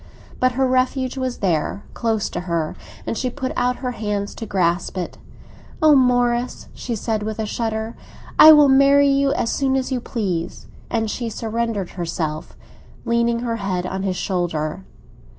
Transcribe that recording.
But her refuge was there, close to her, and she put out her hands to grasp it. "Ah, Morris," she said, with a shudder, "I will marry you as soon as you please." And she surrendered herself, leaning her head on his shoulder.